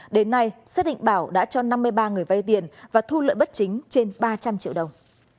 đến nay xác định bảo đã cho năm mươi ba người vay tiền và thu lợi bất chính trên ba trăm linh triệu đồng